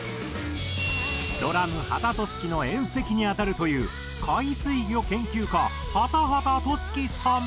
ドラム刄田綴色の縁戚に当たるという海水魚研究家鰰都市紀さん。